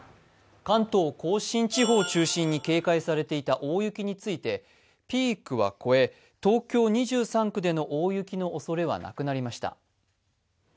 関東甲信地方を中心に警戒されていた大雪についてピークは越え、東京２３区での大雪のおそれはなくなりました。